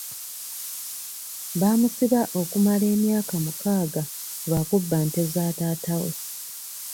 Baamusiba okumala emyaka mukaaga lwa kubba nte za taata we.